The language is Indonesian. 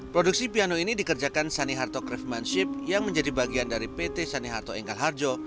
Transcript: produksi piano ini dikerjakan saniharto craftmanship yang menjadi bagian dari pt saneharto enggal harjo